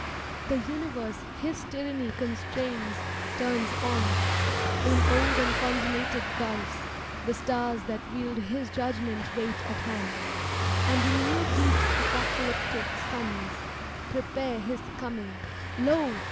The universe His tyranny constrains Turns on: In old and consummated gulfs. The stars that wield His judgement wait at hand; And in new deeps apocalyptic sims Prepare His coming. Lo!